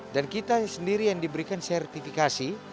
dan kita sendiri yang diberikan sertifikasi